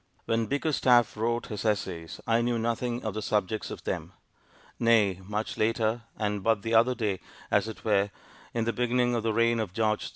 When Bickerstaff wrote his Essays I knew nothing of the subjects of them; nay, much later, and but the other day, as it were, in the beginning of the reign of George III.